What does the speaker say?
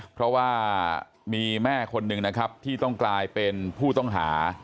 เพราะว่ามีแม่คนหนึ่งนะครับที่ต้องกลายเป็นผู้ต้องหา